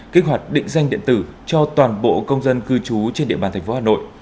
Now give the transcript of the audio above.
kích hoạt định danh điện tử cho toàn bộ công dân cư trú trên địa bàn thành phố hà nội